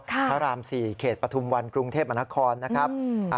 ตามสี่เขตประทุมวันกรุงเทพมหานครนะครับ